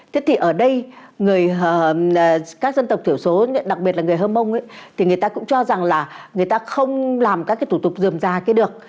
thế thì ở đây các dân tộc thiểu số đặc biệt là người hơ mông thì người ta cũng cho rằng là người ta không làm các cái thủ tục dườm già kia được